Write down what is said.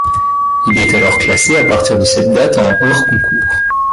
Il est alors classé à partir de cette date en hors-concours.